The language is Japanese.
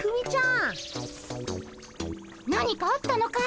何かあったのかい？